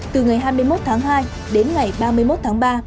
từ ngày hai mươi một tháng hai đến ngày ba mươi một tháng ba